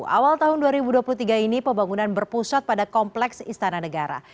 awal tahun dua ribu dua puluh tiga ini pembangunan berpusat pada kompleks istana negara